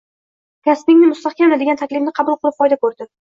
kasbingni mustahkamla degan taklifini qabul qilib foyda ko'rdi.